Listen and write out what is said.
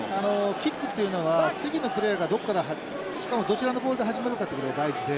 キックっていうのは次のプレーがどこからしかもどちらのボールで始まるかっていうことが大事で。